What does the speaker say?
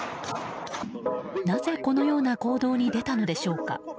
なぜ、このような行動に出たのでしょうか。